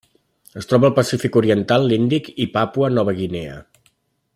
Es troba al Pacífic oriental, l'Índic i Papua Nova Guinea.